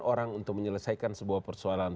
orang untuk menyelesaikan sebuah persoalan